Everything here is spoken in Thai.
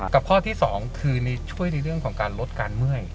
ข้อที่๒คือช่วยในเรื่องของการลดการเมื่อย